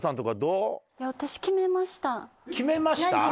決めました？